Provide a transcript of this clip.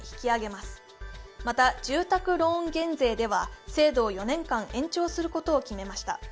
また、住宅ローン減税では制度を４年間延長することを決めました。